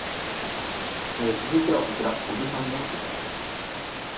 続いては小木さんの取材です。